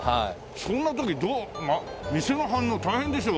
そんな時どう店の反応大変でしょ？